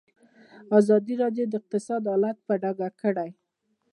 ازادي راډیو د اقتصاد حالت په ډاګه کړی.